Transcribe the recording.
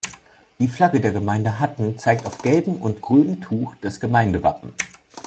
Die Flagge der Gemeinde Hatten zeigt auf gelbem und grünem Tuch das Gemeindewappen.